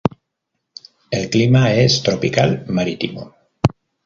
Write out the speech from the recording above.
El clima es tropical marítimo.